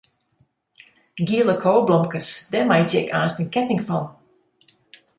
Giele koweblomkes, dêr meitsje ik aanst in ketting fan.